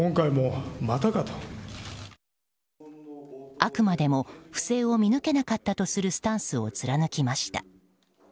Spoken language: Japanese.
あくまでも不正を見抜けなかったとするスタンスを貫きました。